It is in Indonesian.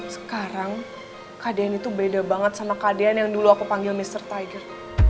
sekarang kadean itu beda banget sama kadean yang dulu aku panggil mr tiger